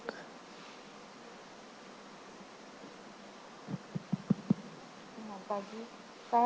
ibu perawat ada